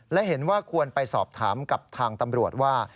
และเห็นว่าควรไปสอบถามกับทางตำรวจว่า